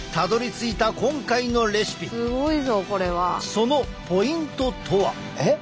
そのポイントとは。